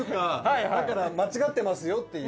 だから間違ってますよっていう。